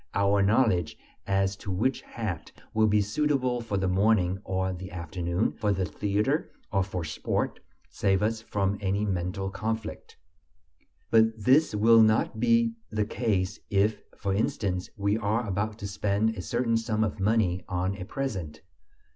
Our knowledge as to which hat will be suitable for the morning or the afternoon, for the theater or for sport, saves us from any mental conflict. But this will not be the case if, for instance, we are about to spend a certain sum of money on a present.